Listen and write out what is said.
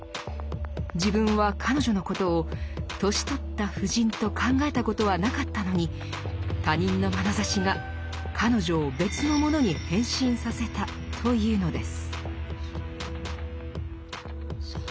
自分は彼女のことを年取った婦人と考えたことはなかったのに「他人の眼ざしが彼女を別の者に変身させた」というのです。